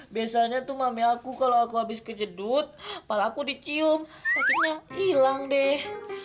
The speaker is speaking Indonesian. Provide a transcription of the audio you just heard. biasanya tuh mami aku kalo aku abis kejedut palaku dicium sakitnya ilang deh